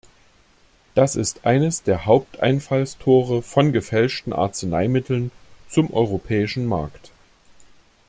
Das ist eines der Haupteinfallstore von gefälschten Arzneimitteln zum europäischen Markt.